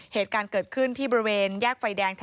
เหตุการณ์เกิดขึ้นที่บริเวณแยกไฟแดง